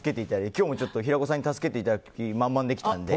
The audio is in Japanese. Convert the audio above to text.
今日も平子さんに助けていただく気満々で来たので。